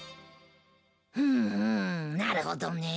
ふんなるほどね。